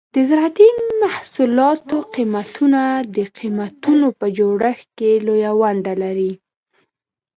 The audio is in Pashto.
د زراعتي محصولاتو قیمتونه د قیمتونو په جوړښت کې لویه ونډه لري.